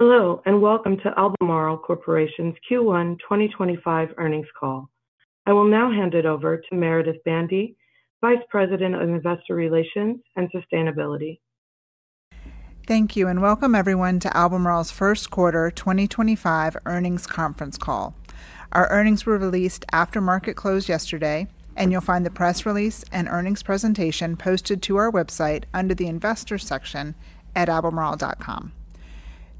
Hello, and welcome to Albemarle Corporation's Q1 2025 Earnings Call. I will now hand it over to Meredith Bandy, Vice President of Investor Relations and Sustainability. Thank you, and welcome everyone to Albemarle's First Quarter 2025 Earnings Conference Call. Our earnings were released after market close yesterday, and you'll find the press release and earnings presentation posted to our website under the Investor section at albemarle.com.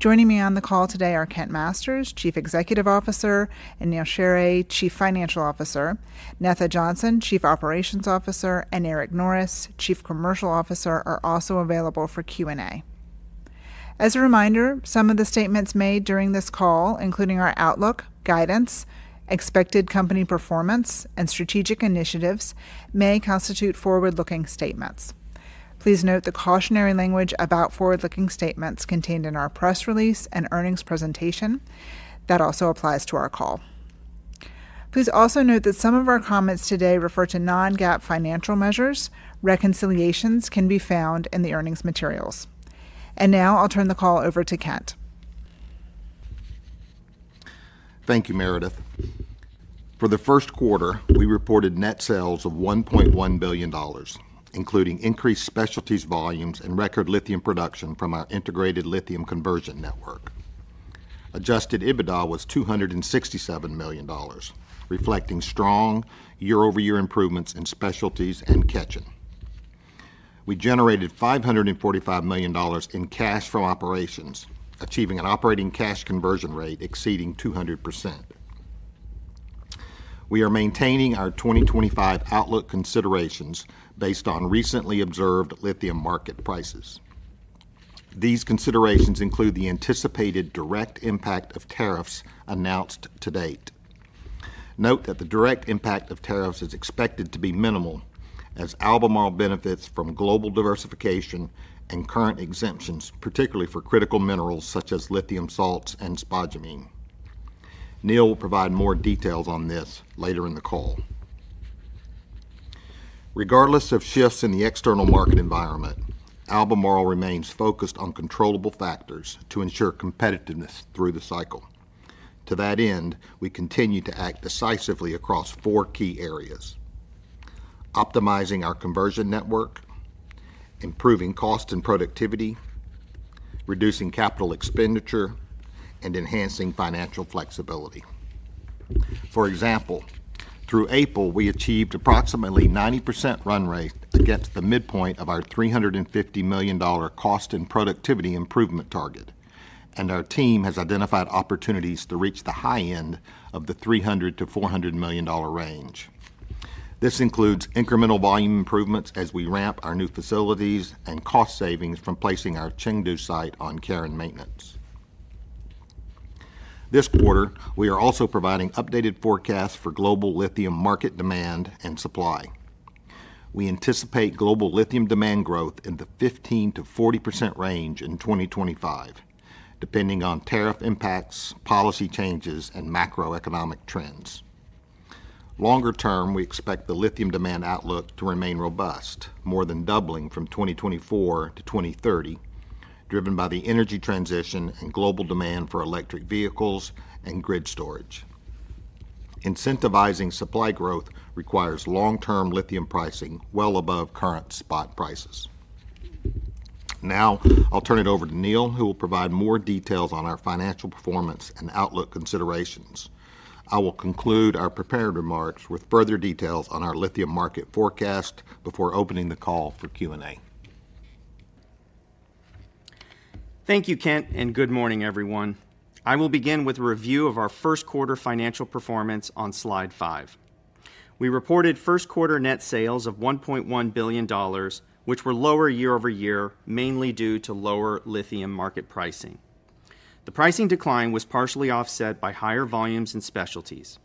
Joining me on the call today are Kent Masters, Chief Executive Officer, and Neal Sheorey, Chief Financial Officer. Netha Johnson, Chief Operations Officer, and Eric Norris, Chief Commercial Officer, are also available for Q&A. As a reminder, some of the statements made during this call, including our outlook, guidance, expected company performance, and strategic initiatives, may constitute forward-looking statements. Please note the cautionary language about forward-looking statements contained in our press release and earnings presentation. That also applies to our call. Please also note that some of our comments today refer to non-GAAP financial measures. Reconciliations can be found in the earnings materials. I'll turn the call over to Kent. Thank you, Meredith. For the first quarter, we reported net sales of $1.1 billion, including increased specialties volumes and record lithium production from our Integrated Lithium Conversion Network. Adjusted EBITDA was $267 million, reflecting strong year-over-year improvements in specialties and catalysts. We generated $545 million in cash from operations, achieving an operating cash conversion rate exceeding 200%. We are maintaining our 2025 outlook considerations based on recently observed lithium market prices. These considerations include the anticipated direct impact of tariffs announced to date. Note that the direct impact of tariffs is expected to be minimal, as Albemarle benefits from global diversification and current exemptions, particularly for critical minerals such as lithium salts and spodumene. Neal will provide more details on this later in the call. Regardless of shifts in the external market environment, Albemarle remains focused on controllable factors to ensure competitiveness through the cycle. To that end, we continue to act decisively across four key areas: optimizing our conversion network, improving cost and productivity, reducing capital expenditure, and enhancing financial flexibility. For example, through April, we achieved approximately 90% run rate to get to the midpoint of our $350 million cost and productivity improvement target, and our team has identified opportunities to reach the high end of the $300-$400 million range. This includes incremental volume improvements as we ramp our new facilities and cost savings from placing our Chengdu site on care and maintenance. This quarter, we are also providing updated forecasts for global lithium market demand and supply. We anticipate global lithium demand growth in the 15% to 40% range in 2025, depending on tariff impacts, policy changes, and macroeconomic trends. Longer term, we expect the lithium demand outlook to remain robust, more than doubling from 2024 to 2030, driven by the energy transition and global demand for electric vehicles and grid storage. Incentivizing supply growth requires long-term lithium pricing well above current spot prices. Now I'll turn it over to Neal, who will provide more details on our financial performance and outlook considerations. I will conclude our prepared remarks with further details on our lithium market forecast before opening the call for Q&A. Thank you, Kent, and good morning, everyone. I will begin with a review of our first quarter financial performance on slide five. We reported first quarter net sales of $1.1 billion, which were lower year-over-year, mainly due to lower lithium market pricing. The pricing decline was partially offset by higher volumes and specialties.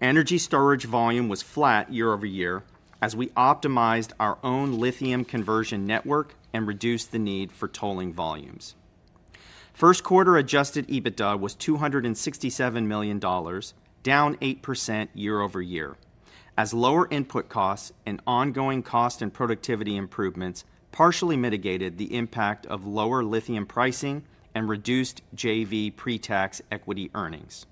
Energy storage volume was flat year-over-year as we optimized our own lithium conversion network and reduced the need for tolling volumes. First quarter adjusted EBITDA was $267 million, down 8% year-over-year, as lower input costs and ongoing cost and productivity improvements partially mitigated the impact of lower lithium pricing and reduced JV pre-tax equity earnings.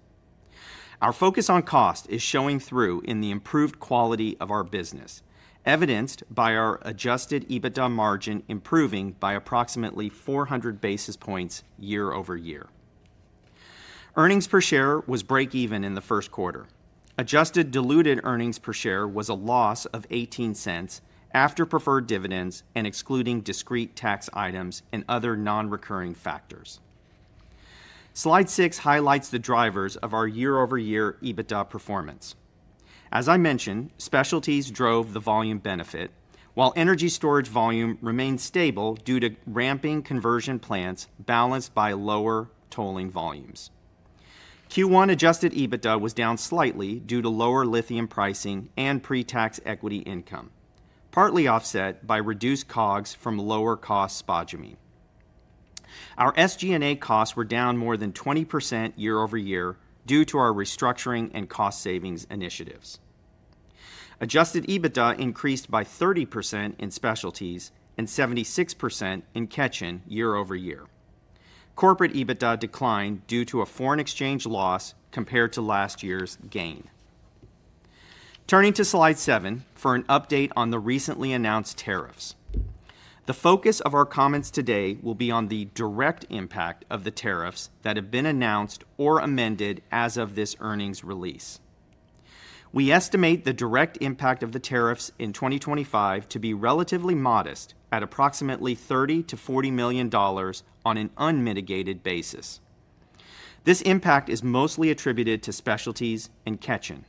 Our focus on cost is showing through in the improved quality of our business, evidenced by our adjusted EBITDA margin improving by approximately 400 basis points year-over-year. Earnings per share was break-even in the first quarter. Adjusted diluted earnings per share was a loss of $0.18 after preferred dividends and excluding discrete tax items and other non-recurring factors. Slide six highlights the drivers of our year-over-year EBITDA performance. As I mentioned, specialties drove the volume benefit, while energy storage volume remained stable due to ramping conversion plants balanced by lower tolling volumes. Q1 adjusted EBITDA was down slightly due to lower lithium pricing and pre-tax equity income, partly offset by reduced COGS from lower cost spodumene. Our SG&A costs were down more than 20% year-over-year due to our restructuring and cost savings initiatives. Adjusted EBITDA increased by 30% in specialties and 76% in Ketjen year-over-year. Corporate EBITDA declined due to a foreign exchange loss compared to last year's gain. Turning to slide seven for an update on the recently announced tariffs. The focus of our comments today will be on the direct impact of the tariffs that have been announced or amended as of this earnings release. We estimate the direct impact of the tariffs in 2025 to be relatively modest, at approximately $30 to $40 million on an unmitigated basis. This impact is mostly attributed to specialties and Ketjen.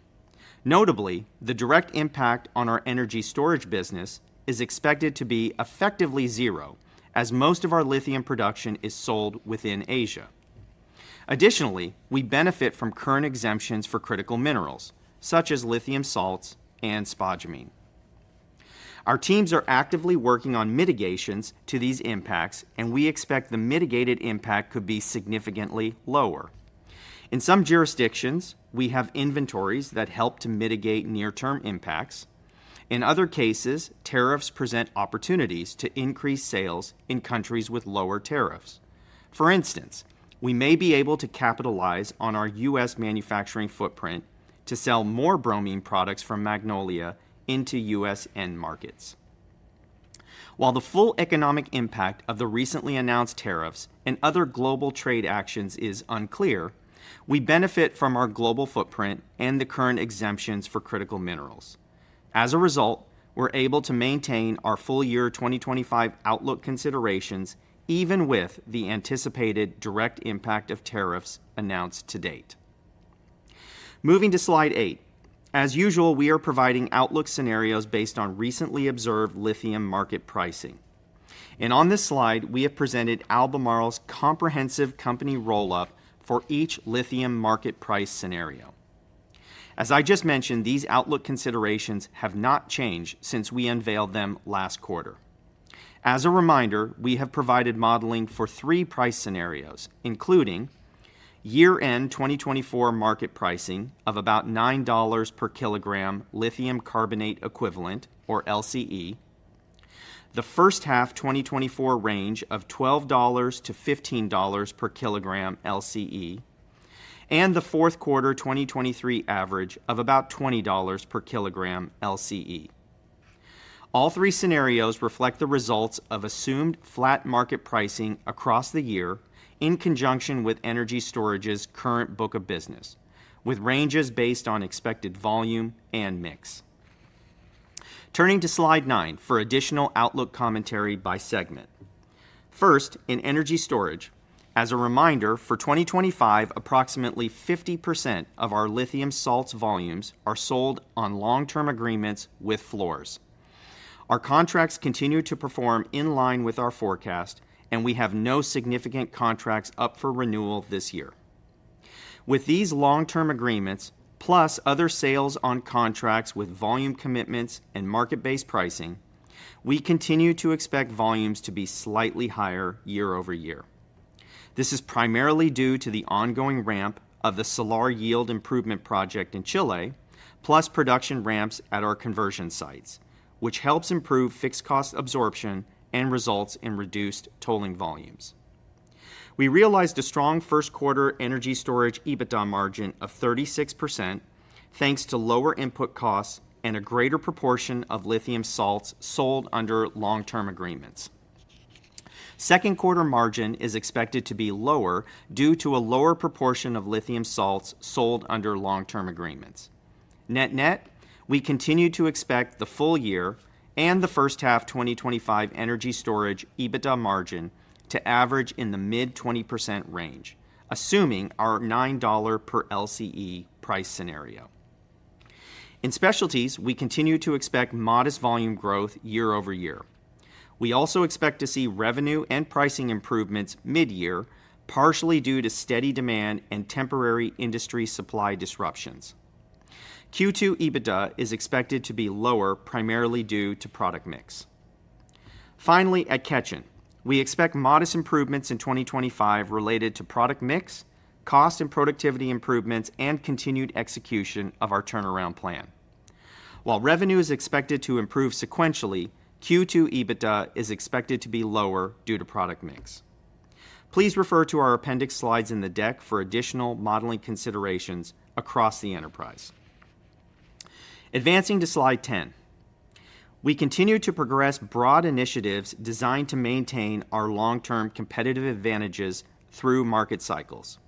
Notably, the direct impact on our energy storage business is expected to be effectively zero, as most of our lithium production is sold within Asia. Additionally, we benefit from current exemptions for critical minerals, such as lithium salts and spodumene. Our teams are actively working on mitigations to these impacts, and we expect the mitigated impact could be significantly lower. In some jurisdictions, we have inventories that help to mitigate near-term impacts. In other cases, tariffs present opportunities to increase sales in countries with lower tariffs. For instance, we may be able to capitalize on our U.S. manufacturing footprint to sell more bromine products from Magnolia into U.S. end markets. While the full economic impact of the recently announced tariffs and other global trade actions is unclear, we benefit from our global footprint and the current exemptions for critical minerals. As a result, we're able to maintain our full year 2025 outlook considerations even with the anticipated direct impact of tariffs announced to date. Moving to slide eight, as usual, we are providing outlook scenarios based on recently observed lithium market pricing. On this slide, we have presented Albemarle's comprehensive company roll-up for each lithium market price scenario. As I just mentioned, these outlook considerations have not changed since we unveiled them last quarter. As a reminder, we have provided modeling for three price scenarios, including year-end 2024 market pricing of about $9 per kilogram lithium carbonate equivalent, or LCE, the first half 2024 range of $12 to $15 per kilogram LCE, and the fourth quarter 2023 average of about $20 per kilogram LCE. All three scenarios reflect the results of assumed flat market pricing across the year in conjunction with energy storage's current book of business, with ranges based on expected volume and mix. Turning to slide nine for additional outlook commentary by segment. First, in energy storage, as a reminder, for 2025, approximately 50% of our lithium salts volumes are sold on long-term agreements with floors. Our contracts continue to perform in line with our forecast, and we have no significant contracts up for renewal this year. With these long-term agreements, plus other sales on contracts with volume commitments and market-based pricing, we continue to expect volumes to be slightly higher year-over-year. This is primarily due to the ongoing ramp of the Salar Yield Improvement Project in Chile, plus production ramps at our conversion sites, which helps improve fixed cost absorption and results in reduced tolling volumes. We realized a strong first quarter energy storage EBITDA margin of 36%, thanks to lower input costs and a greater proportion of lithium salts sold under long-term agreements. Second quarter margin is expected to be lower due to a lower proportion of lithium salts sold under long-term agreements. Net-net, we continue to expect the full year and the first half 2025 energy storage EBITDA margin to average in the mid-20% range, assuming our $9 per LCE price scenario. In specialties, we continue to expect modest volume growth year-over-year. We also expect to see revenue and pricing improvements mid-year, partially due to steady demand and temporary industry supply disruptions. Q2 EBITDA is expected to be lower, primarily due to product mix. Finally, at Ketjen, we expect modest improvements in 2025 related to product mix, cost and productivity improvements, and continued execution of our turnaround plan. While revenue is expected to improve sequentially, Q2 EBITDA is expected to be lower due to product mix. Please refer to our appendix slides in the deck for additional modeling considerations across the enterprise. Advancing to slide ten, we continue to progress broad initiatives designed to maintain our long-term competitive advantages through market cycles.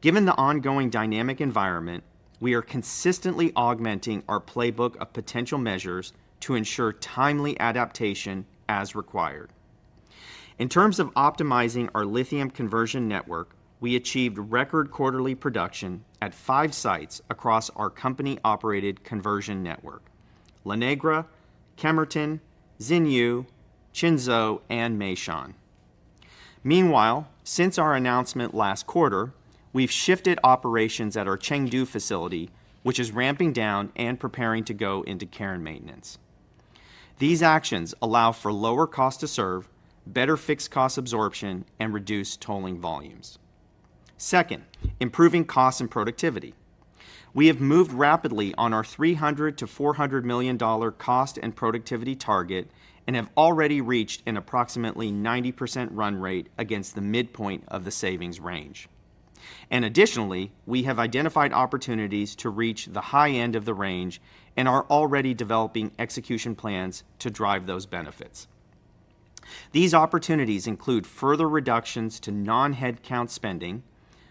Given the ongoing dynamic environment, we are consistently augmenting our playbook of potential measures to ensure timely adaptation as required. In terms of optimizing our lithium conversion network, we achieved record quarterly production at five sites across our company-operated conversion network: La Negra, Kemerton, Xinyu, Qinzhou, and Meishan. Meanwhile, since our announcement last quarter, we've shifted operations at our Chengdu facility, which is ramping down and preparing to go into care and maintenance. These actions allow for lower cost to serve, better fixed cost absorption, and reduced tolling volumes. Second, improving cost and productivity. We have moved rapidly on our $300 to $400 million cost and productivity target and have already reached an approximately 90% run rate against the midpoint of the savings range. Additionally, we have identified opportunities to reach the high end of the range and are already developing execution plans to drive those benefits. These opportunities include further reductions to non-headcount spending,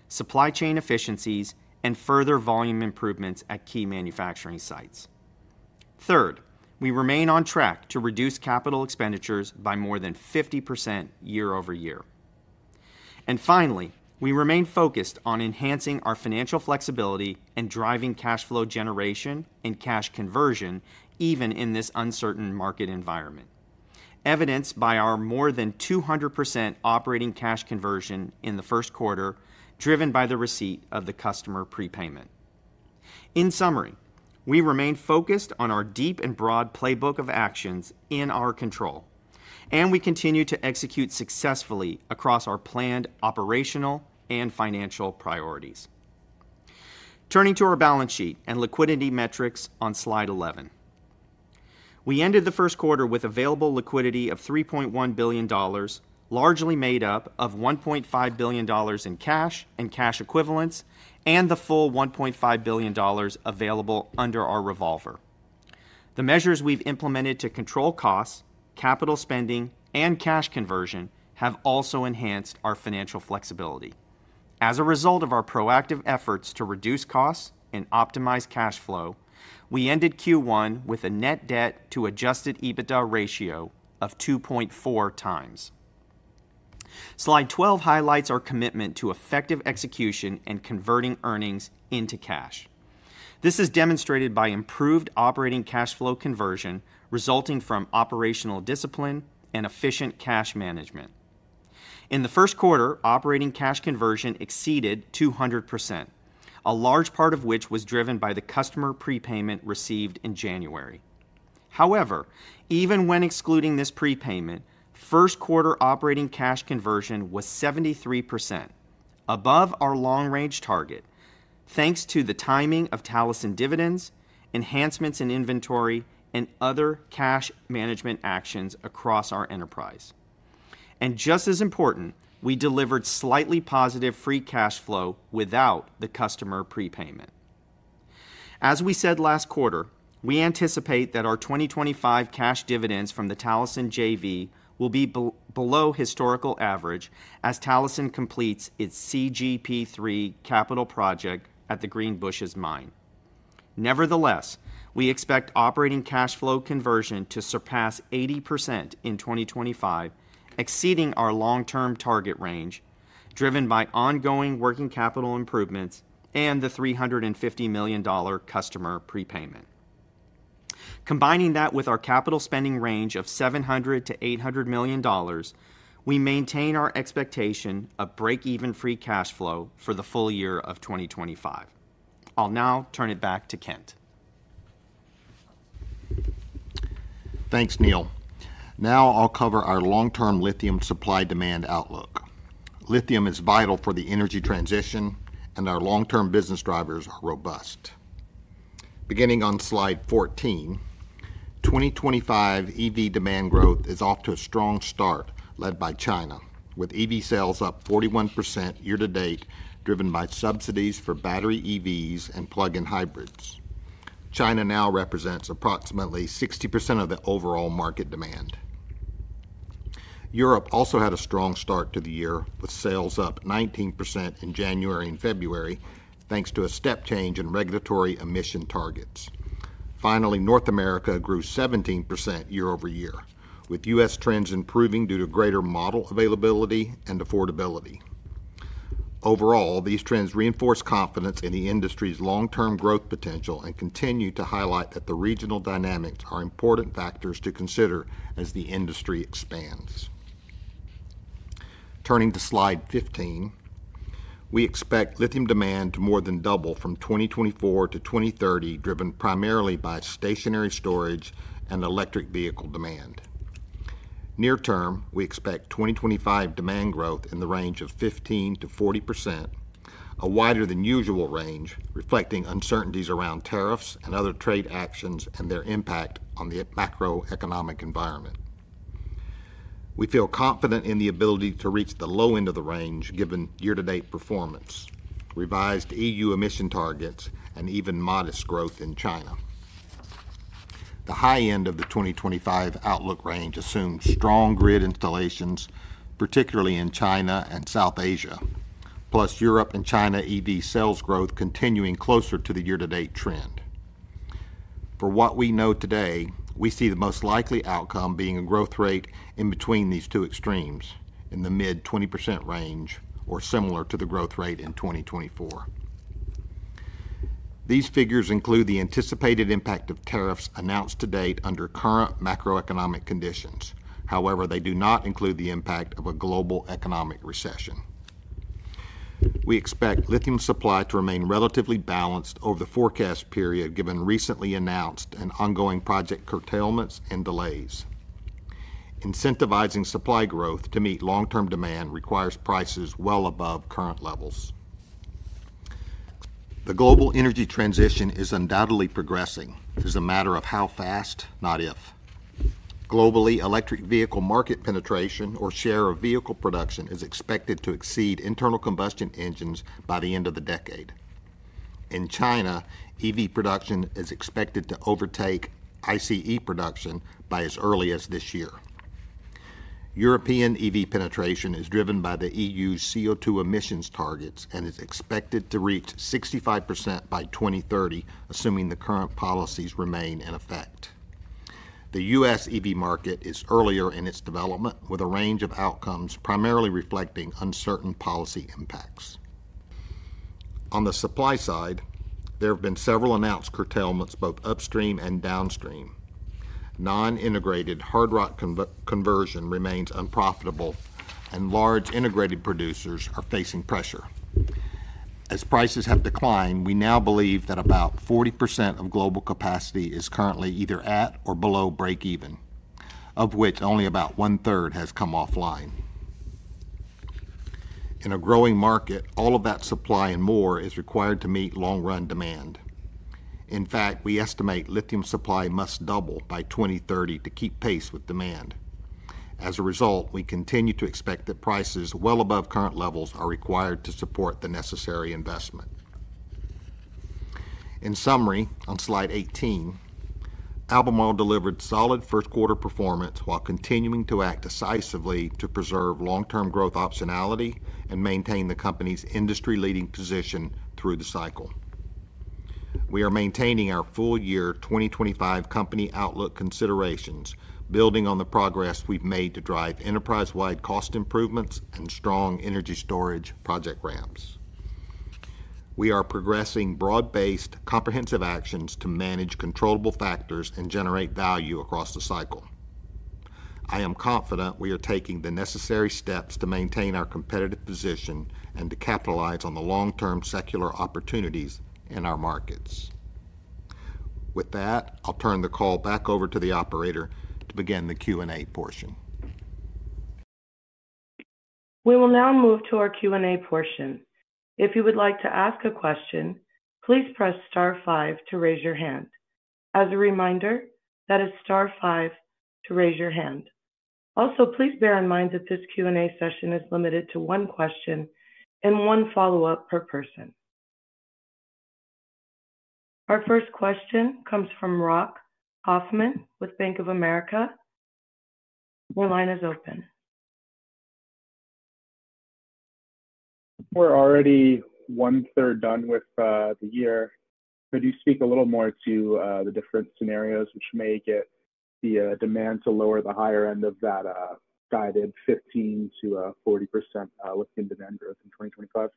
supply chain efficiencies, and further volume improvements at key manufacturing sites. Third, we remain on track to reduce capital expenditures by more than 50% year-over-year. Finally, we remain focused on enhancing our financial flexibility and driving cash flow generation and cash conversion, even in this uncertain market environment, evidenced by our more than 200% operating cash conversion in the first quarter, driven by the receipt of the customer prepayment. In summary, we remain focused on our deep and broad playbook of actions in our control, and we continue to execute successfully across our planned operational and financial priorities. Turning to our balance sheet and liquidity metrics on slide 11, we ended the first quarter with available liquidity of $3.1 billion, largely made up of $1.5 billion in cash and cash equivalents, and the full $1.5 billion available under our revolver. The measures we have implemented to control costs, capital spending, and cash conversion have also enhanced our financial flexibility. As a result of our proactive efforts to reduce costs and optimize cash flow, we ended Q1 with a net debt to adjusted EBITDA ratio of 2.4 times. Slide 12 highlights our commitment to effective execution and converting earnings into cash. This is demonstrated by improved operating cash flow conversion resulting from operational discipline and efficient cash management. In the first quarter, operating cash conversion exceeded 200%, a large part of which was driven by the customer prepayment received in January. However, even when excluding this prepayment, first quarter operating cash conversion was 73%, above our long-range target, thanks to the timing of Talison dividends, enhancements in inventory, and other cash management actions across our enterprise. Just as important, we delivered slightly positive free cash flow without the customer prepayment. As we said last quarter, we anticipate that our 2025 cash dividends from the Talison JV will be below historical average as Talison completes its CGP3 capital project at the Greenbushes Mine. Nevertheless, we expect operating cash flow conversion to surpass 80% in 2025, exceeding our long-term target range, driven by ongoing working capital improvements and the $350 million customer prepayment. Combining that with our capital spending range of $700 to $800 million, we maintain our expectation of break-even free cash flow for the full year of 2025. I'll now turn it back to Kent. Thanks, Neal. Now I'll cover our long-term lithium supply demand outlook. Lithium is vital for the energy transition, and our long-term business drivers are robust. Beginning on slide 14, 2025 EV demand growth is off to a strong start, led by China, with EV sales up 41% year-to-date, driven by subsidies for battery EVs and plug-in hybrids. China now represents approximately 60% of the overall market demand. Europe also had a strong start to the year, with sales up 19% in January and February, thanks to a step change in regulatory emission targets. Finally, North America grew 17% year-over-year, with U.S. trends improving due to greater model availability and affordability. Overall, these trends reinforce confidence in the industry's long-term growth potential and continue to highlight that the regional dynamics are important factors to consider as the industry expands. Turning to slide 15, we expect lithium demand to more than double from 2024 to 2030, driven primarily by stationary storage and electric vehicle demand. Near term, we expect 2025 demand growth in the range of 15% to 40%, a wider than usual range, reflecting uncertainties around tariffs and other trade actions and their impact on the macroeconomic environment. We feel confident in the ability to reach the low end of the range, given year-to-date performance, revised EU emission targets, and even modest growth in China. The high end of the 2025 outlook range assumes strong grid installations, particularly in China and South Asia, plus Europe and China EV sales growth continuing closer to the year-to-date trend. For what we know today, we see the most likely outcome being a growth rate in between these two extremes, in the mid-20% range or similar to the growth rate in 2024. These figures include the anticipated impact of tariffs announced to date under current macroeconomic conditions. However, they do not include the impact of a global economic recession. We expect lithium supply to remain relatively balanced over the forecast period, given recently announced and ongoing project curtailments and delays. Incentivizing supply growth to meet long-term demand requires prices well above current levels. The global energy transition is undoubtedly progressing. It is a matter of how fast, not if. Globally, electric vehicle market penetration or share of vehicle production is expected to exceed internal combustion engines by the end of the decade. In China, EV production is expected to overtake ICE production by as early as this year. European EV penetration is driven by the EU's CO2 emissions targets and is expected to reach 65% by 2030, assuming the current policies remain in effect. The U.S. EV market is earlier in its development, with a range of outcomes primarily reflecting uncertain policy impacts. On the supply side, there have been several announced curtailments, both upstream and downstream. Non-integrated hard-rock conversion remains unprofitable, and large integrated producers are facing pressure. As prices have declined, we now believe that about 40% of global capacity is currently either at or below break-even, of which only about one-third has come offline. In a growing market, all of that supply and more is required to meet long-run demand. In fact, we estimate lithium supply must double by 2030 to keep pace with demand. As a result, we continue to expect that prices well above current levels are required to support the necessary investment. In summary, on slide 18, Albemarle delivered solid first quarter performance while continuing to act decisively to preserve long-term growth optionality and maintain the company's industry-leading position through the cycle. We are maintaining our full year 2025 company outlook considerations, building on the progress we've made to drive enterprise-wide cost improvements and strong energy storage project ramps. We are progressing broad-based comprehensive actions to manage controllable factors and generate value across the cycle. I am confident we are taking the necessary steps to maintain our competitive position and to capitalize on the long-term secular opportunities in our markets. With that, I'll turn the call back over to the operator to begin the Q&A portion. We will now move to our Q&A portion. If you would like to ask a question, please "press star five" to raise your hand. As a reminder, that is "star five" to raise your hand. Also, please bear in mind that this Q&A session is limited to one question and one follow-up per person. Our first question comes from Rock Hoffman with Bank of America. Your line is open. We're already one-third done with the year. Could you speak a little more to the different scenarios which may get the demand to lower the higher end of that guided 15% to 40% lithium demand growth in 2025?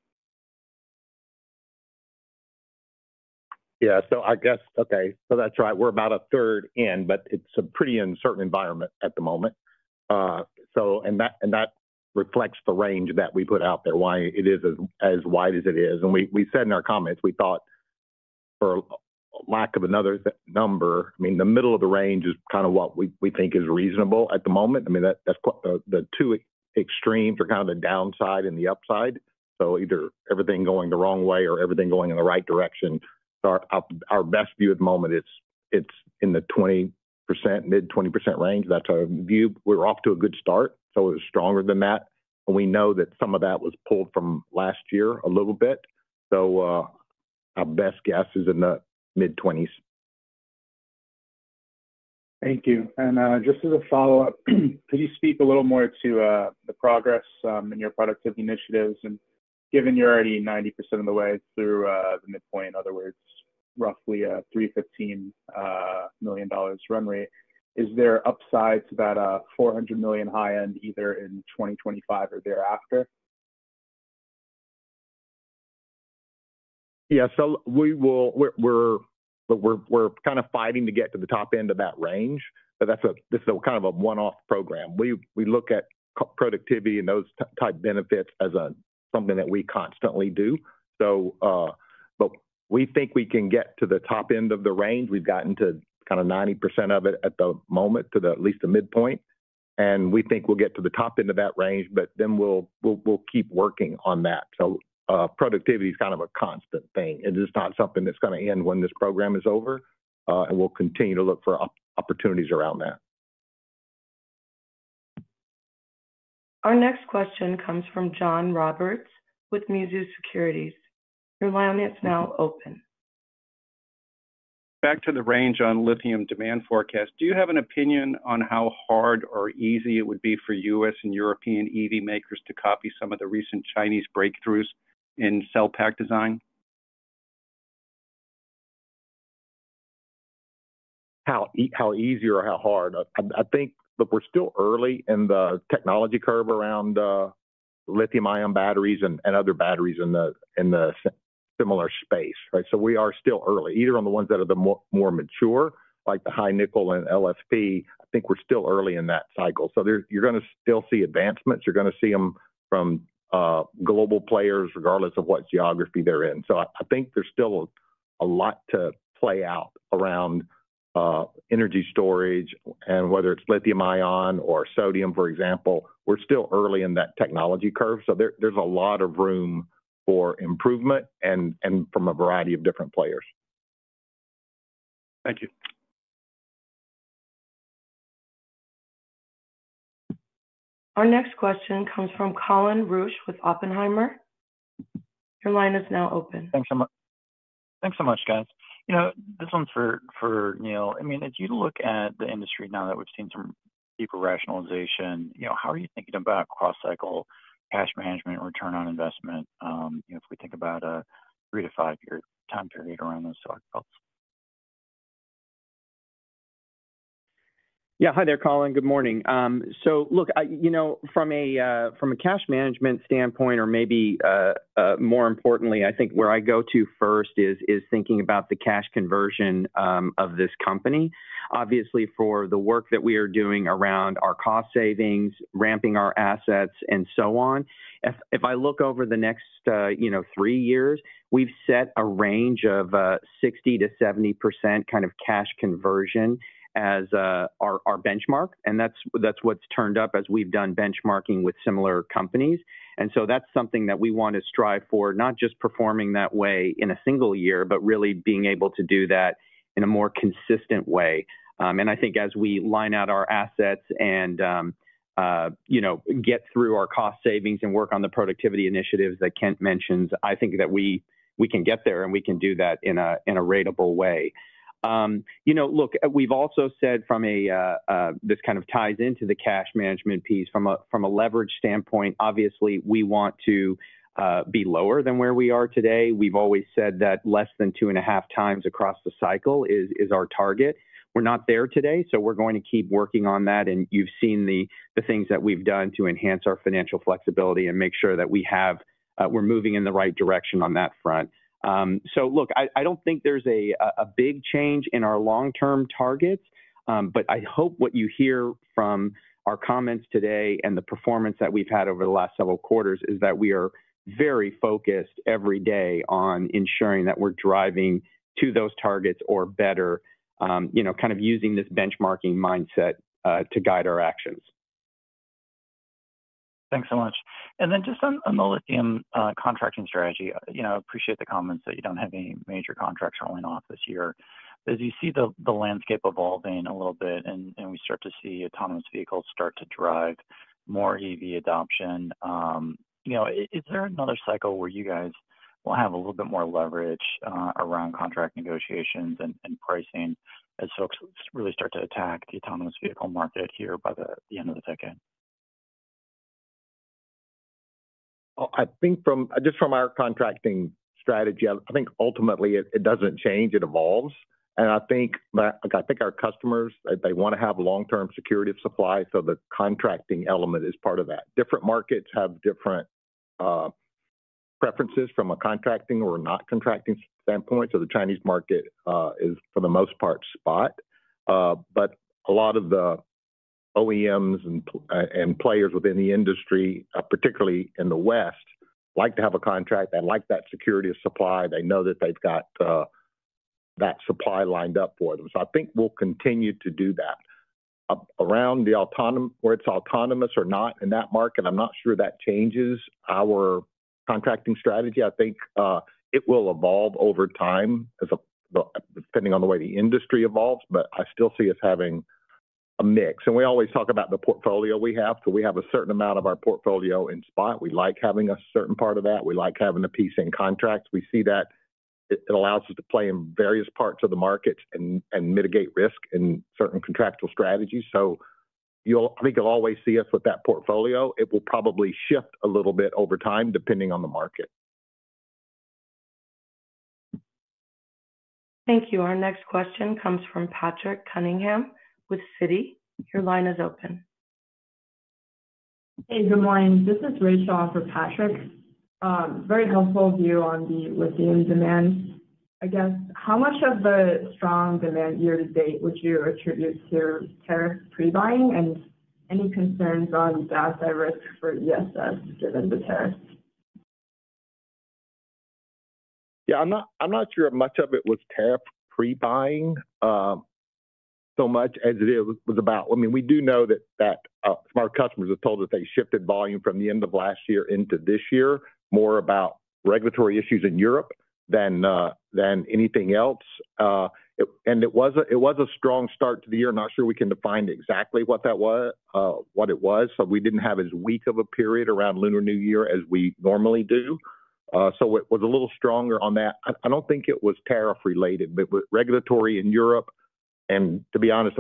Yeah. I guess, okay, that's right. We're about a third in, but it's a pretty uncertain environment at the moment. That reflects the range that we put out there, why it is as wide as it is. We said in our comments, we thought, for lack of another number, the middle of the range is kind of what we think is reasonable at the moment. I mean, the two extremes are kind of the downside and the upside. Either everything going the wrong way or everything going in the right direction. Our best view at the moment is in the 20%-mid-20% range. That is our view. We are off to a good start. It was stronger than that. We know that some of that was pulled from last year a little bit. Our best guess is in the mid-20% range. Thank you. Just as a follow-up, could you speak a little more to the progress in your productivity initiatives? Given you are already 90% of the way through the midpoint, in other words, roughly $315 million run rate, is there upside to that $400 million high end either in 2025 or thereafter? We are kind of fighting to get to the top end of that range. This is kind of a one-off program. We look at productivity and those type benefits as something that we constantly do. We think we can get to the top end of the range. We've gotten to kind of 90% of it at the moment to at least the midpoint. We think we'll get to the top end of that range, but we'll keep working on that. Productivity is kind of a constant thing. It is not something that's going to end when this program is over. We'll continue to look for opportunities around that. Our next question comes from John Roberts with Mizuho Securities. Your line is now open. Back to the range on lithium demand forecast. Do you have an opinion on how hard or easy it would be for U.S. and European EV makers to copy some of the recent Chinese breakthroughs in cell pack design? How easy or how hard? I think that we're still early in the technology curve around lithium-ion batteries and other batteries in the similar space. We are still early. Either on the ones that are the more mature, like the high nickel and LFP, I think we're still early in that cycle. You're going to still see advancements. You're going to see them from global players, regardless of what geography they're in. I think there's still a lot to play out around energy storage. Whether it's lithium-ion or sodium, for example, we're still early in that technology curve. There's a lot of room for improvement and from a variety of different players. Thank you. Our next question comes from Colin Rusch with Oppenheimer. Your line is now open. Thanks so much. Thanks so much, guys. This one's for Neal. I mean, if you look at the industry now that we've seen some deeper rationalization, how are you thinking about cross-cycle cash management and return on investment if we think about a three to five-year time period around those stock calls? Yeah. Hi there, Colin. Good morning. From a cash management standpoint, or maybe more importantly, I think where I go to first is thinking about the cash conversion of this company. Obviously, for the work that we are doing around our cost savings, ramping our assets, and so on, if I look over the next three years, we've set a range of 60% to 70% kind of cash conversion as our benchmark. That's what's turned up as we've done benchmarking with similar companies. That is something that we want to strive for, not just performing that way in a single year, but really being able to do that in a more consistent way. I think as we line out our assets and get through our cost savings and work on the productivity initiatives that Kent mentions, I think that we can get there and we can do that in a ratable way. Look, we have also said this kind of ties into the cash management piece. From a leverage standpoint, obviously, we want to be lower than where we are today. We have always said that less than 2.5 times across the cycle is our target. We are not there today. We are going to keep working on that. You have seen the things that we have done to enhance our financial flexibility and make sure that we are moving in the right direction on that front. I do not think there is a big change in our long-term targets. I hope what you hear from our comments today and the performance that we have had over the last several quarters is that we are very focused every day on ensuring that we are driving to those targets or better, kind of using this benchmarking mindset to guide our actions. Thanks so much. Just on the lithium contracting strategy, I appreciate the comments that you do not have any major contracts rolling off this year. As you see the landscape evolving a little bit and we start to see autonomous vehicles start to drive more EV adoption, is there another cycle where you guys will have a little bit more leverage around contract negotiations and pricing as folks really start to attack the autonomous vehicle market here by the end of the decade? I think just from our contracting strategy, I think ultimately it does not change. It evolves. I think our customers, they want to have long-term security of supply. The contracting element is part of that. Different markets have different preferences from a contracting or not contracting standpoint. The Chinese market is, for the most part, spot. A lot of the OEMs and players within the industry, particularly in the West, like to have a contract. They like that security of supply. They know that they've got that supply lined up for them. I think we'll continue to do that. Around the autonomous, where it's autonomous or not in that market, I'm not sure that changes our contracting strategy. I think it will evolve over time depending on the way the industry evolves. I still see us having a mix. We always talk about the portfolio we have. We have a certain amount of our portfolio in spot. We like having a certain part of that. We like having a piece in contracts. We see that it allows us to play in various parts of the markets and mitigate risk in certain contractual strategies. I think you'll always see us with that portfolio. It will probably shift a little bit over time depending on the market. Thank you. Our next question comes from Patrick Cunningham with Citigroup.Y our line is open. Hey, good morning. This is Rachel for Patrick. Very helpful view on the lithium demand. I guess, how much of the strong demand year to date would you attribute to tariff pre-buying and any concerns on data risk for ESS given the tariffs? Yeah. I'm not sure much of it was tariff pre-buying so much as it was about, I mean, we do know that some of our customers have told us they shifted volume from the end of last year into this year more about regulatory issues in Europe than anything else. It was a strong start to the year. Not sure we can define exactly what it was. We did not have as weak of a period around Lunar New Year as we normally do. It was a little stronger on that. I do not think it was tariff-related, but regulatory in Europe. To be honest,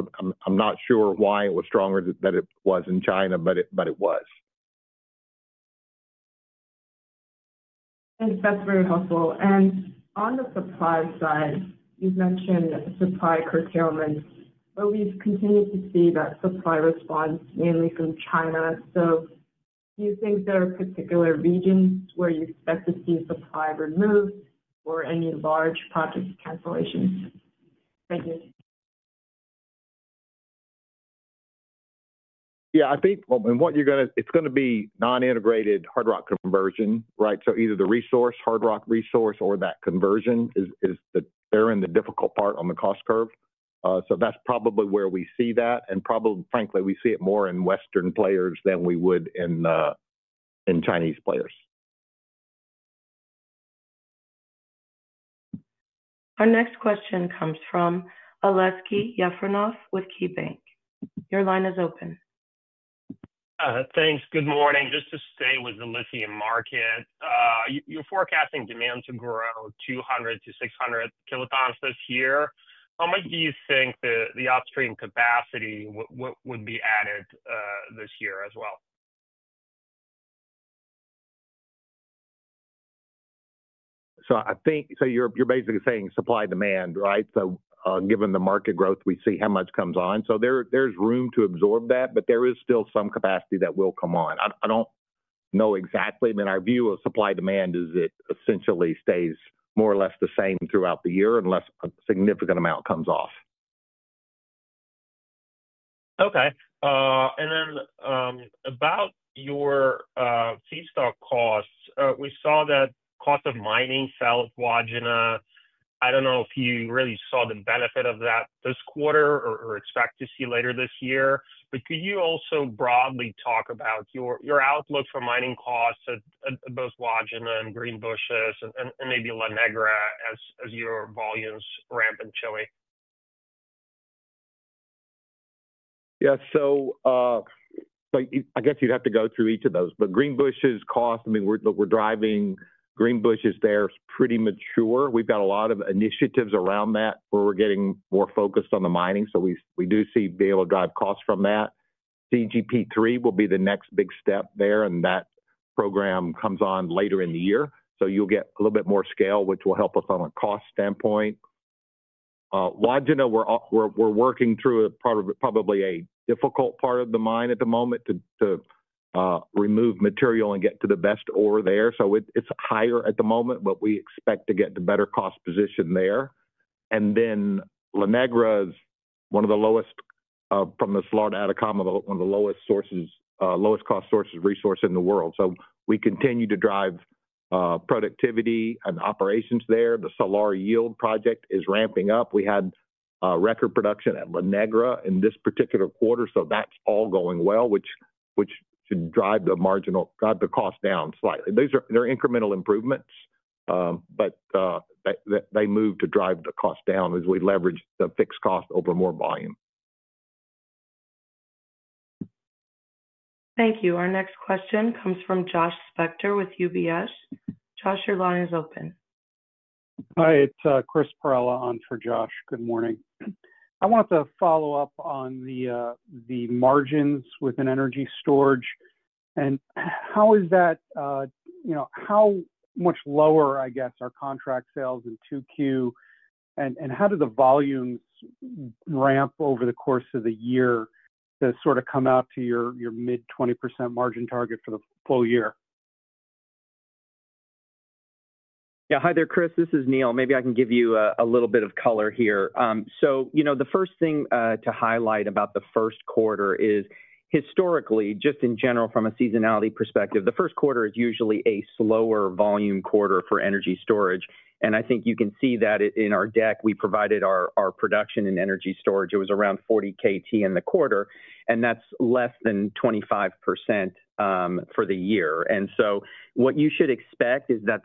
I'm not sure why it was stronger than it was in China, but it was. That's very helpful. On the supply side, you've mentioned supply curtailment, but we've continued to see that supply response mainly from China. Do you think there are particular regions where you expect to see supply removed or any large project cancellations? Thank you. I think what you're going to see is non-integrated hard rock conversion, right? Either the hard rock resource or that conversion is in the difficult part on the cost curve. That's probably where we see that. Frankly, we see it more in Western players than we would in Chinese players. Our next question comes from Aleksey Yefremov with KeyBanc Capital Markets. Your line is open. Thanks. Good morning. Just to stay with the lithium market, you're forecasting demand to grow 200 to 600 kilotons this year. How much do you think the upstream capacity would be added this year as well? You're basically saying supply demand, right? Given the market growth, we see how much comes on. There's room to absorb that, but there is still some capacity that will come on. I don't know exactly. I mean, our view of supply demand is it essentially stays more or less the same throughout the year unless a significant amount comes off. Okay. Then about your feedstock costs, we saw that cost of mining fell with Wodgina. I don't know if you really saw the benefit of that this quarter or expect to see later this year. Could you also broadly talk about your outlook for mining costs at both Wodgina and Greenbushes and maybe La Negra as your volumes ramp in Chile? Yeah. I guess you'd have to go through each of those. Greenbushes costs, I mean, we're driving Greenbushes, they're pretty mature. We've got a lot of initiatives around that where we're getting more focused on the mining. I mean, we do see being able to drive costs from that. CGP3 will be the next big step there. That program comes on later in the year. You'll get a little bit more scale, which will help us on a cost standpoint. Wodgina, we're working through probably a difficult part of the mine at the moment to remove material and get to the best ore there. It's higher at the moment, but we expect to get the better cost position there. La Negra is one of the lowest from the Salar de Atacama, one of the lowest cost sources resource in the world. We continue to drive productivity and operations there. The Salar Yield project is ramping up. We had record production at La Negra in this particular quarter. That's all going well, which should drive the cost down slightly. They're incremental improvements, but they move to drive the cost down as we leverage the fixed cost over more volume. Thank you. Our next question comes from Josh Spector with UBS. Josh, your line is open. Hi. It's Chris Perrella on for Josh. Good morning. I wanted to follow up on the margins within energy storage. How much lower, I guess, are contract sales in 2Q? How do the volumes ramp over the course of the year to sort of come out to your mid-20% margin target for the full year? Yeah. Hi there, Chris. This is Neal. Maybe I can give you a little bit of color here. The first thing to highlight about the first quarter is historically, just in general, from a seasonality perspective, the first quarter is usually a slower volume quarter for energy storage. I think you can see that in our deck. We provided our production and energy storage. It was around 40 KT in the quarter. That is less than 25% for the year. What you should expect is that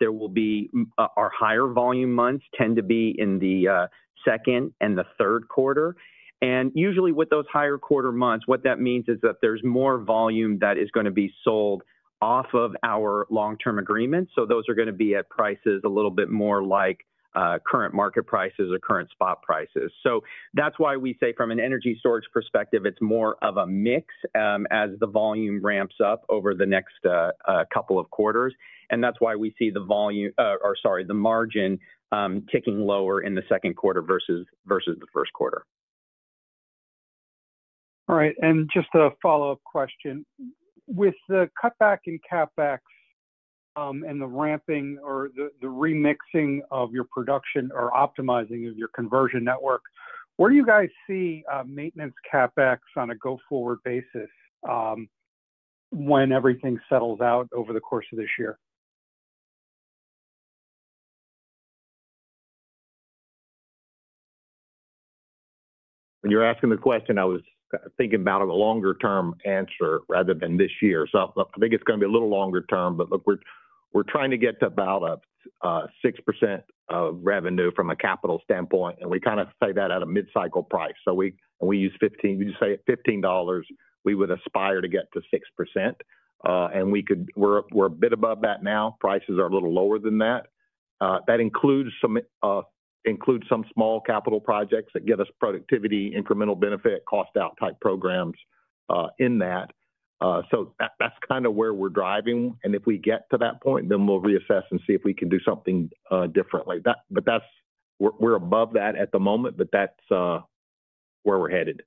our higher volume months tend to be in the second and the third quarter. Usually with those higher quarter months, what that means is that there's more volume that is going to be sold off of our long-term agreements. Those are going to be at prices a little bit more like current market prices or current spot prices. That is why we say from an energy storage perspective, it's more of a mix as the volume ramps up over the next couple of quarters. That is why we see the volume or, sorry, the margin ticking lower in the second quarter versus the first quarter. All right. Just a follow-up question. With the cutback in CapEx and the ramping or the remixing of your production or optimizing of your conversion network, where do you guys see maintenance CapEx on a go-forward basis when everything settles out over the course of this year? When you're asking the question, I was thinking about a longer-term answer rather than this year. I think it's going to be a little longer term. Look, we're trying to get to about a 6% of revenue from a capital standpoint. We kind of say that at a mid-cycle price. We use $15. We just say $15. We would aspire to get to 6%. We're a bit above that now. Prices are a little lower than that. That includes some small capital projects that give us productivity, incremental benefit, cost-out type programs in that. That's kind of where we're driving. If we get to that point, then we'll reassess and see if we can do something differently. We're above that at the moment, but that's where we're headed.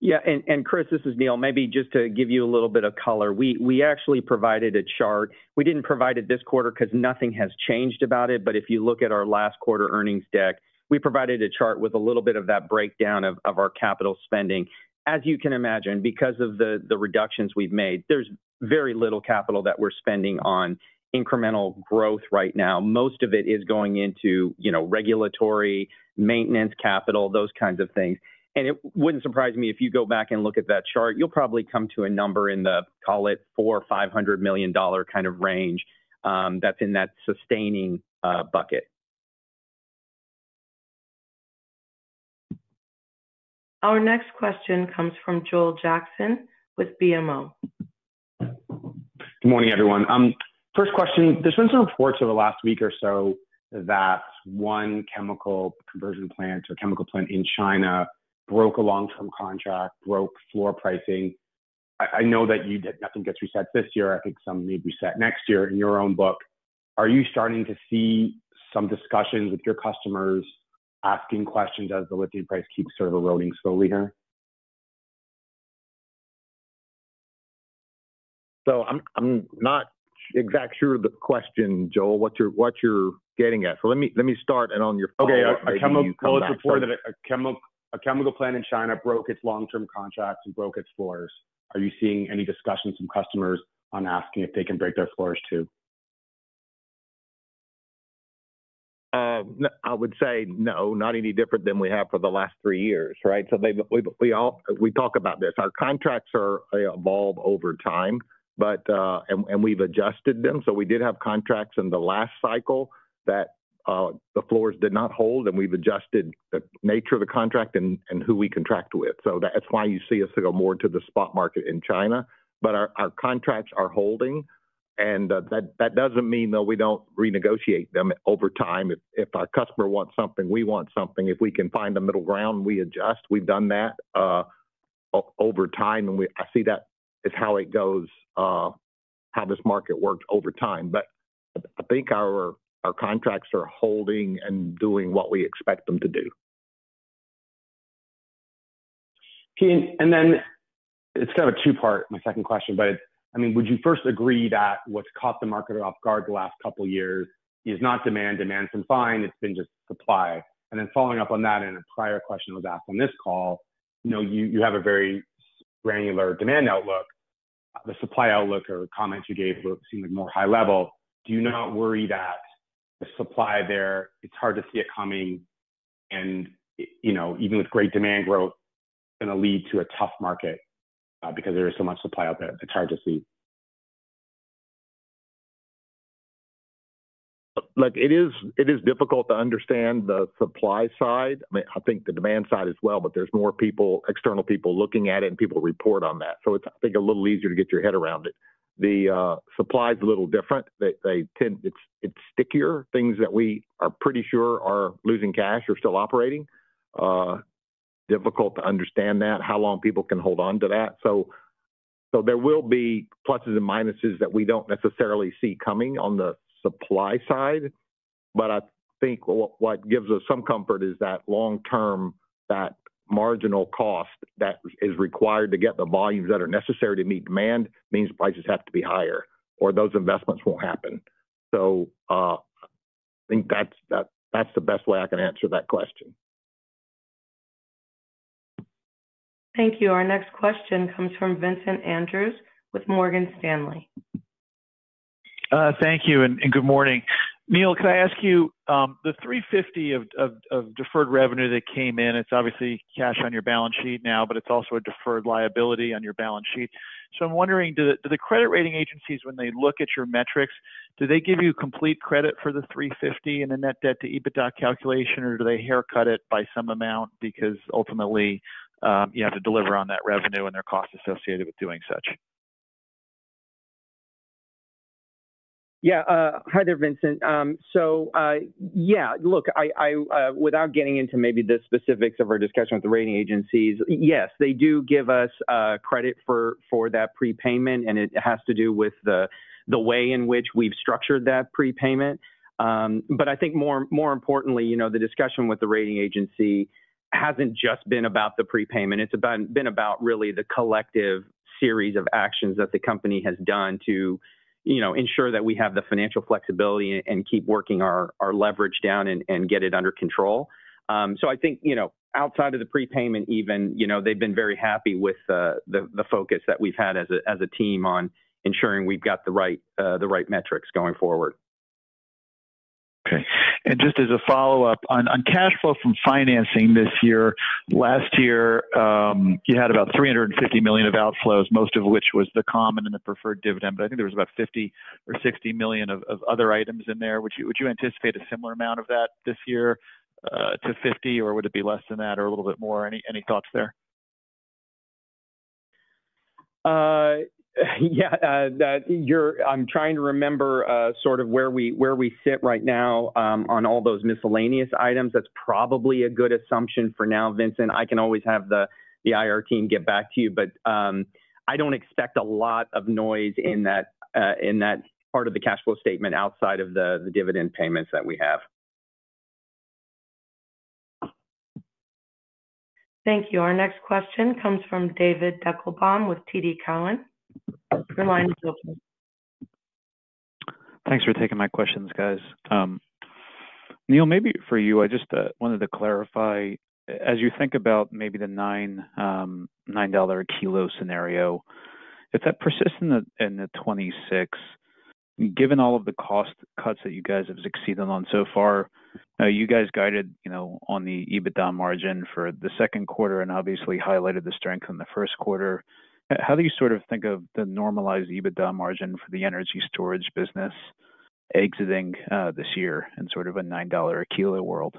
Yeah. Chris, this is Neal. Maybe just to give you a little bit of color. We actually provided a chart. We did not provide it this quarter because nothing has changed about it. If you look at our last quarter earnings deck, we provided a chart with a little bit of that breakdown of our capital spending. As you can imagine, because of the reductions we have made, there is very little capital that we are spending on incremental growth right now. Most of it is going into regulatory maintenance capital, those kinds of things. It would not surprise me if you go back and look at that chart. You will probably come to a number in the, call it, $400 million-$500 million kind of range that is in that sustaining bucket. Our next question comes from Joel Jackson with BMO Capital Markets. Good morning, everyone. First question. There's been some reports over the last week or so that one chemical conversion plant or chemical plant in China broke a long-term contract, broke floor pricing. I know that nothing gets reset this year. I think some may be set next year in your own book. Are you starting to see some discussions with your customers asking questions as the lithium price keeps sort of eroding slowly here? I'm not exactly sure of the question, Joel, what you're getting at. Let me start on your point. A chemical plant in China broke its long-term contract and broke its floors. Are you seeing any discussions from customers on asking if they can break their floors too? I would say no, not any different than we have for the last three years, right? We talk about this. Our contracts evolve over time, and we've adjusted them. We did have contracts in the last cycle that the floors did not hold, and we've adjusted the nature of the contract and who we contract with. That is why you see us go more to the spot market in China. Our contracts are holding. That does not mean that we do not renegotiate them over time. If our customer wants something, we want something. If we can find a middle ground, we adjust. We have done that over time. I see that is how it goes, how this market works over time. I think our contracts are holding and doing what we expect them to do. It is kind of a two-part, my second question. I mean, would you first agree that what has caught the market off guard the last couple of years is not demand, demand has been fine. It has been just supply. Following up on that, in a prior question that was asked on this call, you have a very granular demand outlook. The supply outlook or comments you gave seemed more high level. Do you not worry that the supply there, it's hard to see it coming? Even with great demand growth, it's going to lead to a tough market because there is so much supply out there. It's hard to see. Look, it is difficult to understand the supply side. I mean, I think the demand side as well, but there's more external people looking at it and people report on that. I think it's a little easier to get your head around it. The supply is a little different. It's stickier. Things that we are pretty sure are losing cash are still operating. Difficult to understand that, how long people can hold on to that. There will be pluses and minuses that we do not necessarily see coming on the supply side. I think what gives us some comfort is that long-term, that marginal cost that is required to get the volumes that are necessary to meet demand means prices have to be higher or those investments will not happen. I think that is the best way I can answer that question. Thank you. Our next question comes from Vincent Andrews with Morgan Stanley. Thank you. And good morning. Neal, can I ask you, the $350 million of deferred revenue that came in, it is obviously cash on your balance sheet now, but it is also a deferred liability on your balance sheet. I'm wondering, do the credit rating agencies, when they look at your metrics, do they give you complete credit for the $350 million and the net debt to EBITDA calculation, or do they haircut it by some amount because ultimately you have to deliver on that revenue and there are costs associated with doing such? Yeah. Hi there, Vincent. Yeah, look, without getting into maybe the specifics of our discussion with the rating agencies, yes, they do give us credit for that prepayment. It has to do with the way in which we've structured that prepayment. I think more importantly, the discussion with the rating agency hasn't just been about the prepayment. It's been about really the collective series of actions that the company has done to ensure that we have the financial flexibility and keep working our leverage down and get it under control. I think outside of the prepayment, even they've been very happy with the focus that we've had as a team on ensuring we've got the right metrics going forward. Okay. Just as a follow-up on cash flow from financing this year, last year you had about $350 million of outflows, most of which was the common and the preferred dividend. I think there was about $50 million or $60 million of other items in there. Would you anticipate a similar amount of that this year to $50 million, or would it be less than that or a little bit more? Any thoughts there? Yeah. I'm trying to remember sort of where we sit right now on all those miscellaneous items. That's probably a good assumption for now, Vincent. I can always have the IR team get back to you. I don't expect a lot of noise in that part of the cash flow statement outside of the dividend payments that we have. Thank you. Our next question comes from David Deckelbaum with TD Cowen. Your line is open. Thanks for taking my questions, guys. Neal, maybe for you, I just wanted to clarify. As you think about maybe the $9 kilo scenario, if that persists in 2026, given all of the cost cuts that you guys have succeeded on so far, you guys guided on the EBITDA margin for the second quarter and obviously highlighted the strength in the first quarter. How do you sort of think of the normalized EBITDA margin for the energy storage business exiting this year in sort of a $9 a kilo world?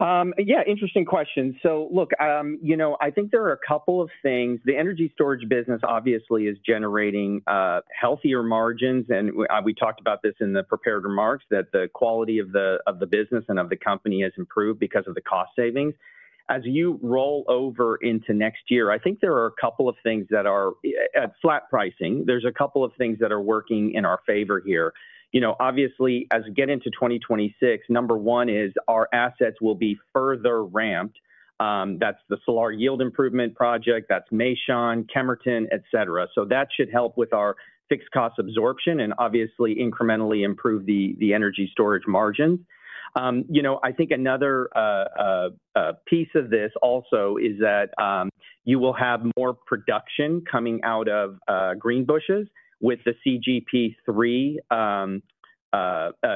Yeah. Interesting question. I think there are a couple of things. The energy storage business obviously is generating healthier margins. We talked about this in the prepared remarks that the quality of the business and of the company has improved because of the cost savings. As you roll over into next year, I think there are a couple of things that are at flat pricing. There are a couple of things that are working in our favor here. Obviously, as we get into 2026, number one is our assets will be further ramped. That is the Salar Yield Improvement Project. That is Mason, Kemerton, etc. That should help with our fixed cost absorption and obviously incrementally improve the energy storage margins. I think another piece of this also is that you will have more production coming out of Greenbushes with the CGP3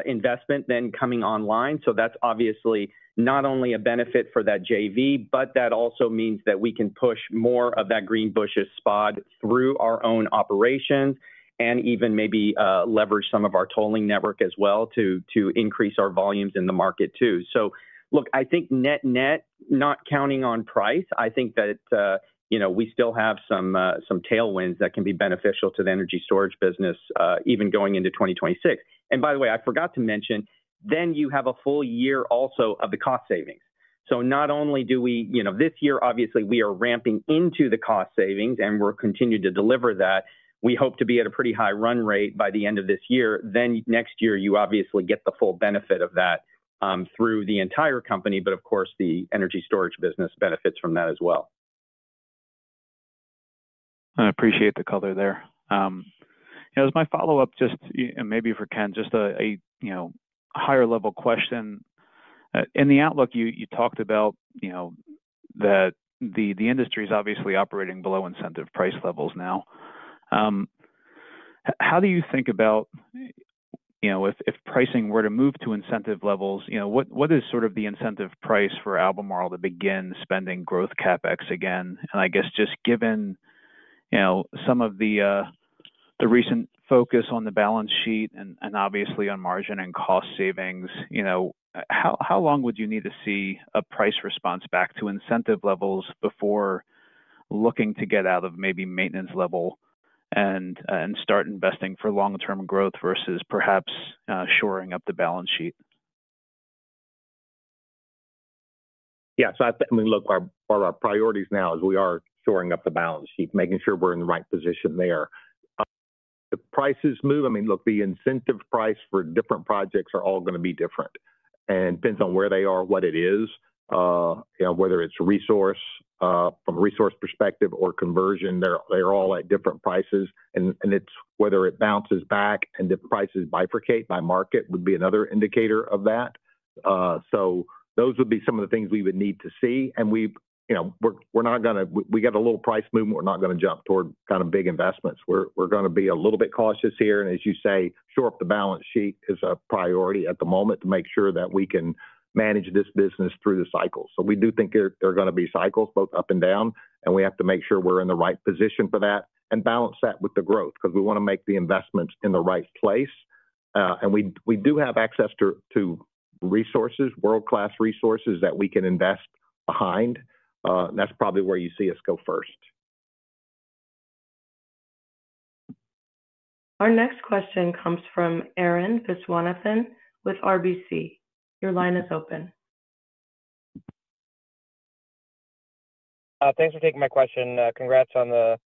investment then coming online. That is obviously not only a benefit for that JV, but that also means that we can push more of that Greenbushes spot through our own operations and even maybe leverage some of our tolling network as well to increase our volumes in the market too. Look, I think net net, not counting on price, I think that we still have some tailwinds that can be beneficial to the energy storage business even going into 2026. By the way, I forgot to mention, then you have a full year also of the cost savings. Not only do we this year, obviously, we are ramping into the cost savings and we are continuing to deliver that. We hope to be at a pretty high run rate by the end of this year. Next year, you obviously get the full benefit of that through the entire company. Of course, the energy storage business benefits from that as well. I appreciate the color there. As my follow-up, just maybe for Kent, just a higher-level question. In the outlook, you talked about that the industry is obviously operating below incentive price levels now. How do you think about if pricing were to move to incentive levels, what is sort of the incentive price for Albemarle to begin spending growth CapEx again? I guess just given some of the recent focus on the balance sheet and obviously on margin and cost savings, how long would you need to see a price response back to incentive levels before looking to get out of maybe maintenance level and start investing for long-term growth versus perhaps shoring up the balance sheet? Yeah. I think, I mean, look, our priorities now is we are shoring up the balance sheet, making sure we're in the right position there. The prices move, I mean, look, the incentive price for different projects are all going to be different. It depends on where they are, what it is, whether it's resource from a resource perspective or conversion. They're all at different prices. It's whether it bounces back and the prices bifurcate by market would be another indicator of that. Those would be some of the things we would need to see. We're not going to, we got a little price movement. We're not going to jump toward kind of big investments. We're going to be a little bit cautious here. As you say, shore up the balance sheet is a priority at the moment to make sure that we can manage this business through the cycle. We do think there are going to be cycles both up and down. We have to make sure we're in the right position for that and balance that with the growth because we want to make the investments in the right place. We do have access to resources, world-class resources that we can invest behind. That's probably where you see us go first. Our next question comes from Arun Viswanathan with RBC. Your line is open. Thanks for taking my question. Congrats on the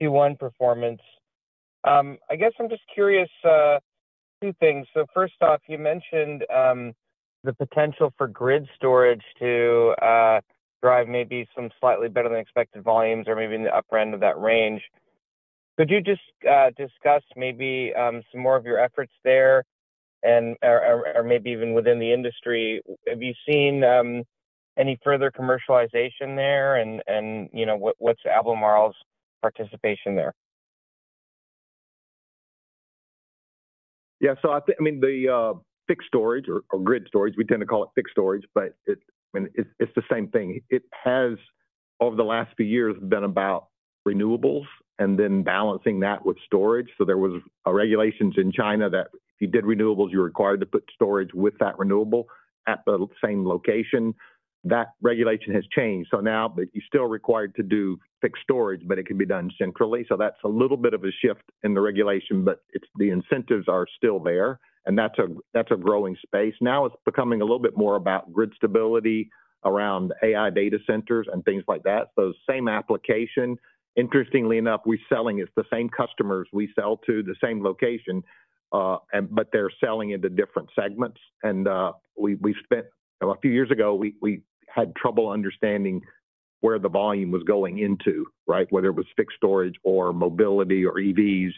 Q1 performance. I guess I'm just curious two things. First off, you mentioned the potential for grid storage to drive maybe some slightly better than expected volumes or maybe in the upper end of that range. Could you just discuss maybe some more of your efforts there or maybe even within the industry? Have you seen any further commercialization there? What's Albemarle's participation there? Yeah. I mean, the fixed storage or grid storage, we tend to call it fixed storage, but it's the same thing. It has, over the last few years, been about renewables and then balancing that with storage. There were regulations in China that if you did renewables, you were required to put storage with that renewable at the same location. That regulation has changed. Now you're still required to do fixed storage, but it can be done centrally. That's a little bit of a shift in the regulation, but the incentives are still there. It's a growing space. Now it's becoming a little bit more about grid stability around AI data centers and things like that. Same application. Interestingly enough, we're selling it to the same customers, we sell to the same location, but they're selling into different segments. A few years ago, we had trouble understanding where the volume was going into, right, whether it was fixed storage or mobility or EVs.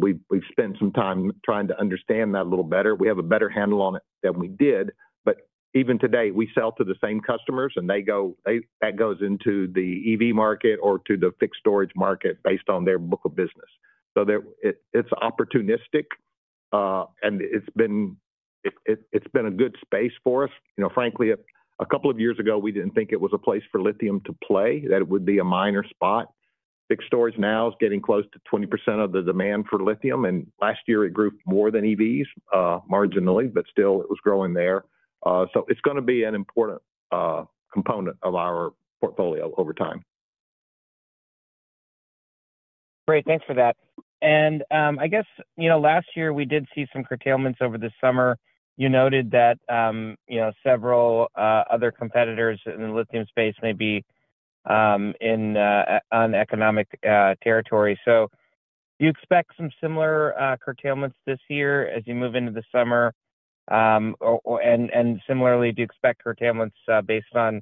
We've spent some time trying to understand that a little better. We have a better handle on it than we did. Even today, we sell to the same customers, and that goes into the EV market or to the fixed storage market based on their book of business. It's opportunistic, and it's been a good space for us. Frankly, a couple of years ago, we did not think it was a place for lithium to play, that it would be a minor spot. Fixed storage now is getting close to 20% of the demand for lithium. Last year, it grew more than EVs marginally, but still, it was growing there. It is going to be an important component of our portfolio over time. Great. Thanks for that. I guess last year, we did see some curtailments over the summer. You noted that several other competitors in the lithium space may be on economic territory. Do you expect some similar curtailments this year as you move into the summer? Similarly, do you expect curtailments based on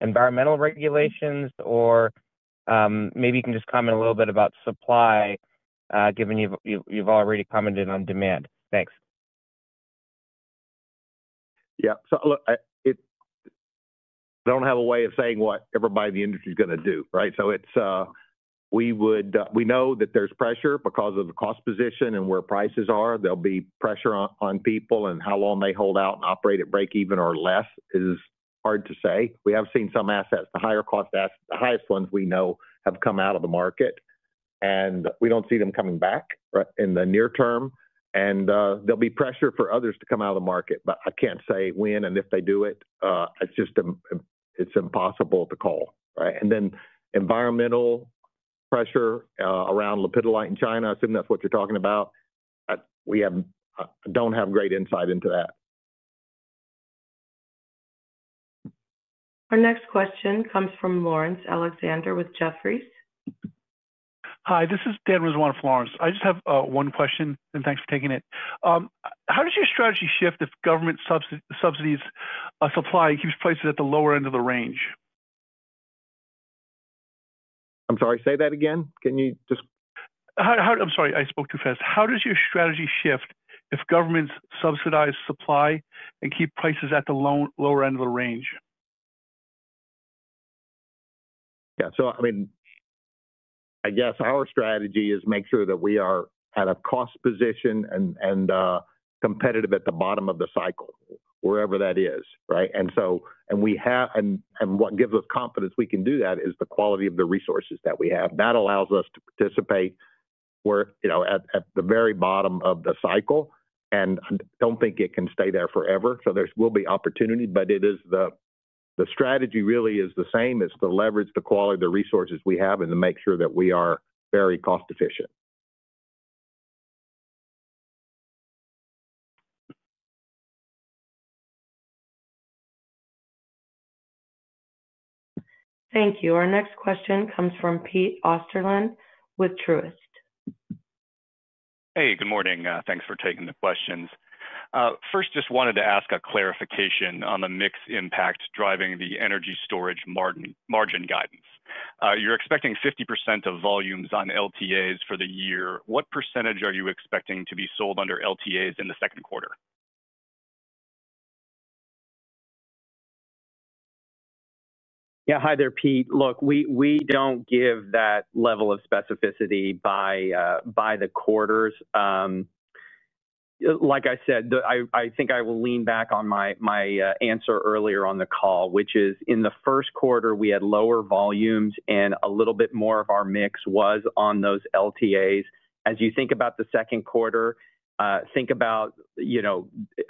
environmental regulations? Maybe you can just comment a little bit about supply, given you have already commented on demand. Thanks. Yeah. I don't have a way of saying what everybody in the industry is going to do, right? We know that there's pressure because of the cost position and where prices are. There'll be pressure on people, and how long they hold out and operate at break-even or less is hard to say. We have seen some assets, the higher cost assets, the highest ones we know, have come out of the market. We don't see them coming back in the near term. There'll be pressure for others to come out of the market. I can't say when, and if they do it, it's impossible to call, right? Environmental pressure around lapidolite in China, assuming that's what you're talking about, we don't have great insight into that. Our next question comes from Lawrence Alexander with Jefferies. Hi, this is Dan Rizzo with Lawrence. I just have one question, and thanks for taking it. How does your strategy shift if government subsidies supply keeps prices at the lower end of the range? I'm sorry, say that again. Can you just I'm sorry, I spoke too fast. How does your strategy shift if governments subsidize supply and keep prices at the lower end of the range? Yeah. I mean, I guess our strategy is to make sure that we are at a cost position and competitive at the bottom of the cycle, wherever that is, right? What gives us confidence we can do that is the quality of the resources that we have. That allows us to participate at the very bottom of the cycle. I don't think it can stay there forever. There will be opportunity, but the strategy really is the same: to leverage the quality of the resources we have and to make sure that we are very cost-efficient. Thank you. Our next question comes from Pete Osterlund with Truist. Hey, good morning. Thanks for taking the questions. First, just wanted to ask a clarification on the mixed impact driving the energy storage margin guidance. You're expecting 50% of volumes on LTAs for the year. What percentage are you expecting to be sold under LTAs in the second quarter? Yeah. Hi there, Pete. Look, we don't give that level of specificity by the quarters. Like I said, I think I will lean back on my answer earlier on the call, which is in the first quarter, we had lower volumes, and a little bit more of our mix was on those LTAs. As you think about the second quarter, think about,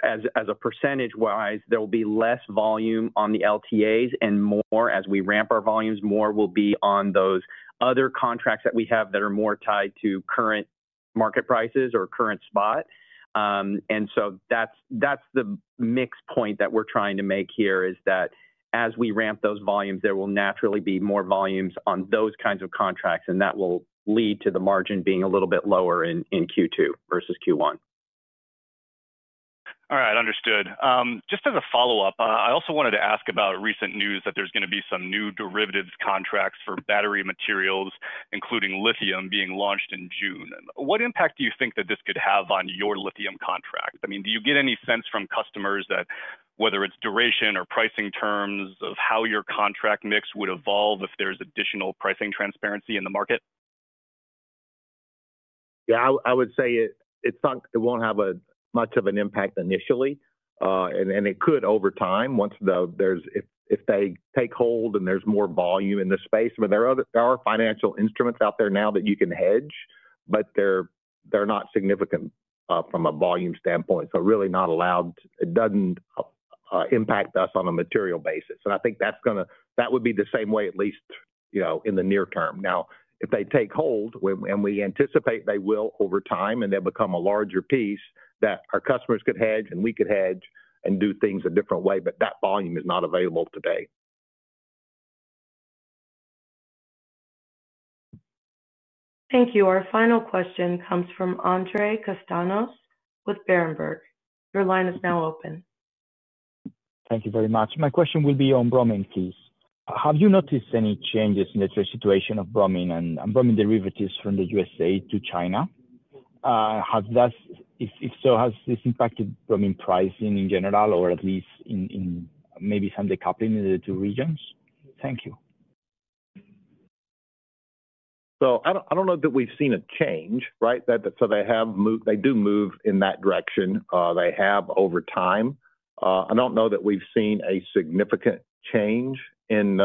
as a %-wise, there will be less volume on the LTAs and more. As we ramp our volumes, more will be on those other contracts that we have that are more tied to current market prices or current spot. That is the mix point that we are trying to make here, that as we ramp those volumes, there will naturally be more volumes on those kinds of contracts, and that will lead to the margin being a little bit lower in Q2 versus Q1. All right. Understood. Just as a follow-up, I also wanted to ask about recent news that there is going to be some new derivatives contracts for battery materials, including lithium, being launched in June. What impact do you think that this could have on your lithium contract? I mean, do you get any sense from customers that whether it's duration or pricing terms of how your contract mix would evolve if there's additional pricing transparency in the market? Yeah. I would say it won't have much of an impact initially. It could over time if they take hold and there's more volume in the space. I mean, there are financial instruments out there now that you can hedge, but they're not significant from a volume standpoint. Really not allowed. It doesn't impact us on a material basis. I think that would be the same way at least in the near term. Now, if they take hold, and we anticipate they will over time and they become a larger piece that our customers could hedge and we could hedge and do things a different way, but that volume is not available today. Thank you. Our final question comes from Andres Castaños with Berenberg. Your line is now open. Thank you very much. My question will be on bromine flows. Have you noticed any changes in the situation of bromine and bromine derivatives from the U.S. to China? If so, has this impacted bromine pricing in general or at least in maybe some decoupling in the two regions? Thank you. I do not know that we have seen a change, right? They do move in that direction. They have over time. I do not know that we have seen a significant change in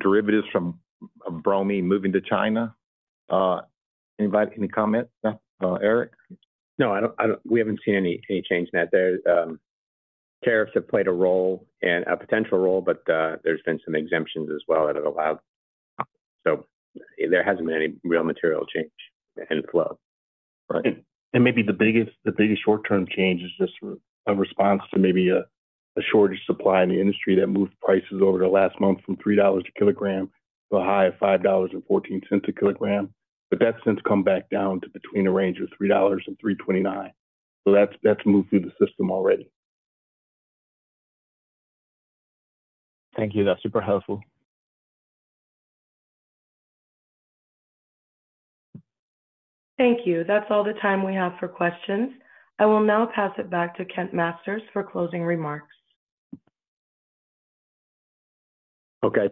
derivatives from bromine moving to China. Any comments, Eric? No, we have not seen any change in that. Tariffs have played a role, a potential role, but there have been some exemptions as well that have allowed. There has not been any real material change in the flow. Right. Maybe the biggest short-term change is just a response to maybe a shortage supply in the industry that moved prices over the last month from $3 a kilogram to a high of $5.14 a kilogram. That has since come back down to between a range of $3 and $3.29. That has moved through the system already. Thank you. That is super helpful. Thank you. That is all the time we have for questions. I will now pass it back to Kent Masters for closing remarks.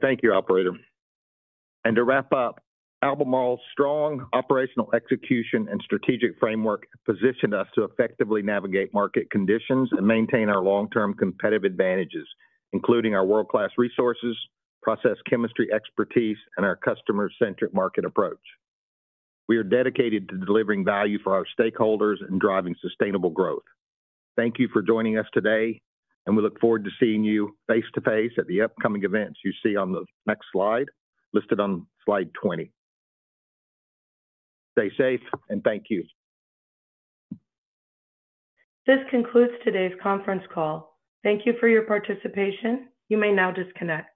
Thank you, Operator. To wrap up, Albemarle's strong operational execution and strategic framework positioned us to effectively navigate market conditions and maintain our long-term competitive advantages, including our world-class resources, process chemistry expertise, and our customer-centric market approach. We are dedicated to delivering value for our stakeholders and driving sustainable growth. Thank you for joining us today, and we look forward to seeing you face-to-face at the upcoming events you see on the next slide listed on slide 20. Stay safe, and thank you. This concludes today's conference call. Thank you for your participation. You may now disconnect.